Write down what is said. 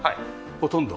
ほとんど？